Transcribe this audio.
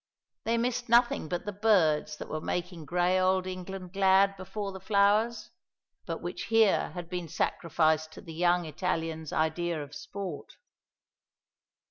They missed nothing but the birds that were making grey old England glad before the flowers, but which here had been sacrificed to the young Italian's idea of sport.